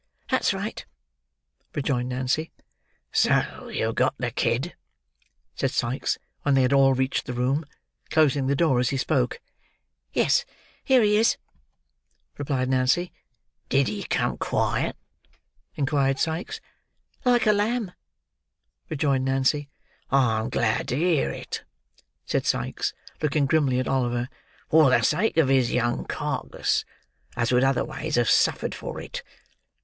"That's right," rejoined Nancy. "So you've got the kid," said Sikes when they had all reached the room: closing the door as he spoke. "Yes, here he is," replied Nancy. "Did he come quiet?" inquired Sikes. "Like a lamb," rejoined Nancy. "I'm glad to hear it," said Sikes, looking grimly at Oliver; "for the sake of his young carcase: as would otherways have suffered for it.